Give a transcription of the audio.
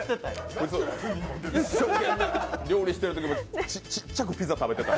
一生懸命料理してるときもちっちゃくピザ食べてた。